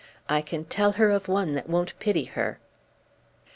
I can tell her of one that won't pity her."